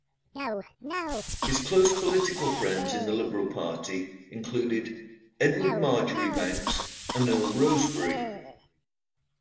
His close political friends in the Liberal party included Edward Marjoribanks and Earl Rosebery.